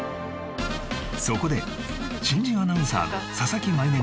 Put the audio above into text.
そこで新人アナウンサーの佐々木舞